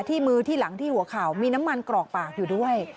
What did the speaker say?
ที่มือที่หลังที่หัวเข่ามีน้ำมันกรอกปากอยู่ด้วย